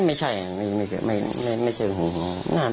ไม่ใช่ไม่ใช่ห่วงครับ